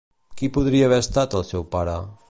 Qui podria haver estat el seu pare?